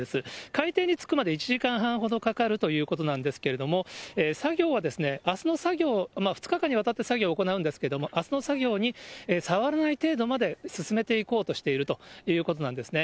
海底に着くまで１時間半ほどかかるということなんですけれども、作業は、２日間にわたって作業を行うんですけど、あすの作業にさわらない程度まで進めていこうとしているということなんですね。